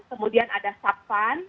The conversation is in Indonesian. kemudian ada sub fund